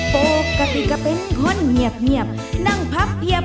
โปกติกะเป็นเค้องเหนียบเหนียบนั่งเหียบ